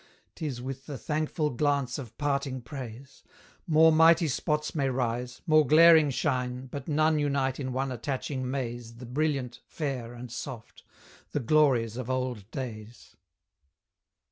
'Tis with the thankful glance of parting praise; More mighty spots may rise more glaring shine, But none unite in one attaching maze The brilliant, fair, and soft; the glories of old days.